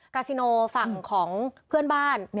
กาซิโนฝั่งของเพื่อนบ้าน